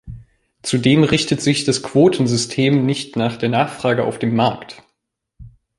Zudem richtet sich das Quotensystem nicht nach der Nachfrage auf dem Markt.